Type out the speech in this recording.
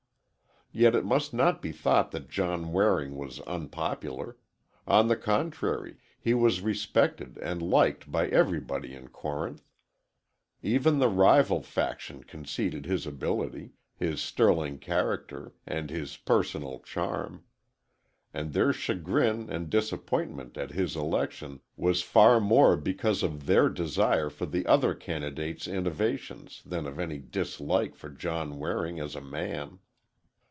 Yet it must not be thought that John Waring was unpopular. On the contrary, he was respected and liked by everybody in Corinth. Even the rival faction conceded his ability, his sterling character and his personal charm. And their chagrin and disappointment at his election was far more because of their desire for the other candidate's innovations than of any dislike for John Waring as a man.